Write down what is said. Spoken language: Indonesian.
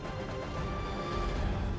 dan siapa yang harus mendapatkan kebenaran